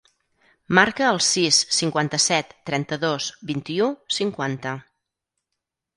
Marca el sis, cinquanta-set, trenta-dos, vint-i-u, cinquanta.